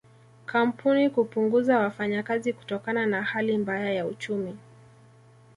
Kampuni kupunguza wafanyakazi kutokana na hali mbaya ya uchumi